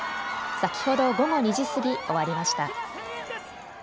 先ほど午後２時過ぎ、終わりました。